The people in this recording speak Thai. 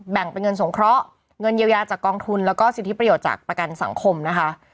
แบ่งเป็นเงินสงเคราะห์เงินเยียวยาจากกองทุนแล้วก็สิทธิประโยชน์จากประกันสังคมนะคะ